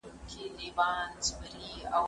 د کفن له غله بېغمه هدیره وه